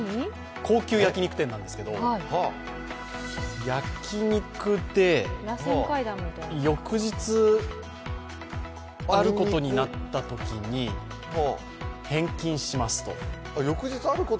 高級焼き肉店なんですけど焼き肉って翌日、あることになったときに返金しますと。